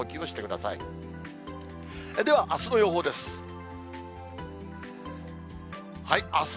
ではあすの予報です。